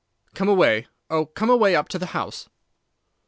Come away—oh, come away up to the house.